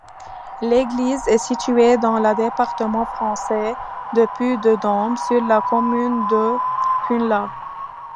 L'église est située dans le département français du Puy-de-Dôme, sur la commune de Cunlhat.